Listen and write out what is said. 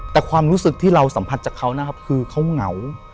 แต่ความรู้สึกที่เราสัมผัสจากเขานะครับคือเขาเหงา